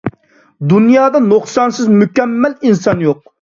دۇنيادا نۇقسانسىز، مۇكەممەل ئىنسان يوق.